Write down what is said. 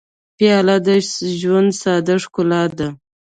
پیاله د ژوند ساده ښکلا ده.